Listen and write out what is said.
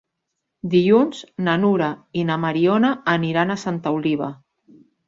Dilluns na Nura i na Mariona aniran a Santa Oliva.